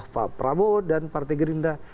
pak prabowo dan partai gerindra